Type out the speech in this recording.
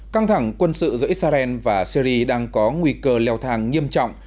căng thẳng quân sự giữa israel và syri đang có nguy cơ leo thang nghiêm trọng